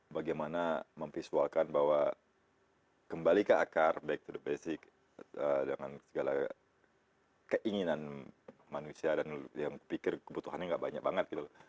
bagaimana memvisualkan bahwa kembali ke akar back to basic dengan segala keinginan manusia dan yang pikir kebutuhannya gak banyak banget gitu